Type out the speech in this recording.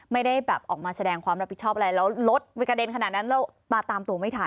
ไม่ได้แบบออกมาแสดงความรับผิดชอบอะไรแล้วรถไปกระเด็นขนาดนั้นแล้วมาตามตัวไม่ทัน